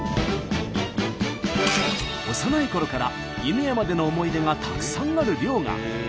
幼いころから犬山での思い出がたくさんある遼河。